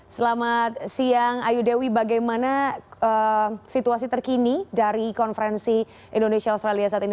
selamat siang ayu dewi bagaimana situasi terkini dari konferensi indonesia australia saat ini